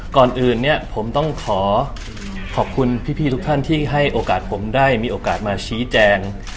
ก่อนอื่นเนี่ยผมต้องขอขอบคุณพี่ทุกท่านที่ให้โอกาสผมได้มีโอกาสมาชี้แจง